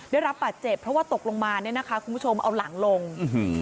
ได้รับบาดเจ็บเพราะว่าตกลงมาเนี้ยนะคะคุณผู้ชมเอาหลังลงอื้อหือ